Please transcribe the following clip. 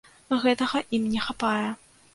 Гэтага ім не хапае.